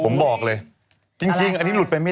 มันยังไม่มี